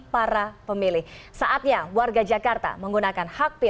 para pemilih saatnya warga jakarta menggunakan hak pilih